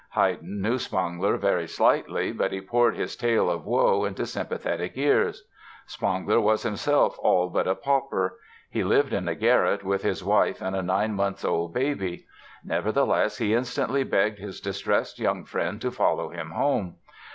Haydn knew Spangler very slightly but he poured his tale of woe into sympathetic ears. Spangler was himself all but a pauper. He lived in a garret with his wife and a nine months old baby. Nevertheless he instantly begged his distressed young friend to follow him home.